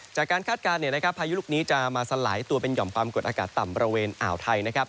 คาดการณ์พายุลูกนี้จะมาสลายตัวเป็นห่อมความกดอากาศต่ำบริเวณอ่าวไทยนะครับ